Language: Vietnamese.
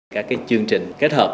các cái chương trình kết hợp